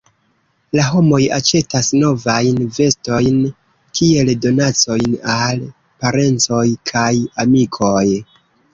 La homoj aĉetas novajn vestojn kiel donacojn al parencoj kaj amikoj.